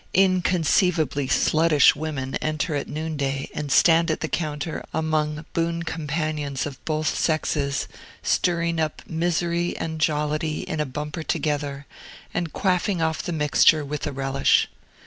Inconceivably sluttish women enter at noonday and stand at the counter among boon companions of both sexes, stirring up misery and jollity in a bumper together, and quaffing off the mixture with a relish.